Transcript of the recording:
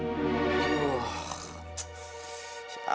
kayak panggilnya obat jahat